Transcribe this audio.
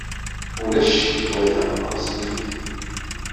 Ulac ccekk deg waya. Ɣezzifit.